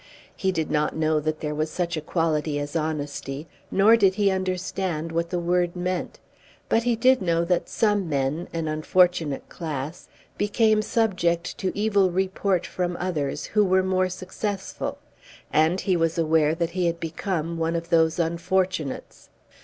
He did not know that there was such a quality as honesty, nor did he understand what the word meant. But he did know that some men, an unfortunate class, became subject to evil report from others who were more successful, and he was aware that he had become one of those unfortunates.